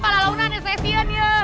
kalah launan ya saya siang